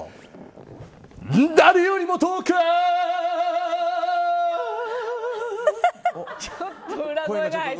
誰よりも遠くへ！